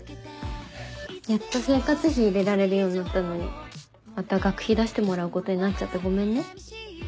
やっと生活費入れられるようになったのにまた学費出してもらうことになっちゃってごめんね。